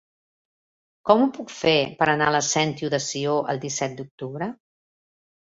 Com ho puc fer per anar a la Sentiu de Sió el disset d'octubre?